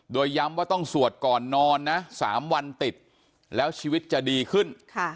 โดยย้ำว่าต้องสวดก่อนนอนนะ๓วันติดแล้วชีวิตจะดีขึ้น